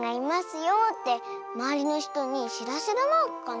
よってまわりのひとにしらせるマークかな？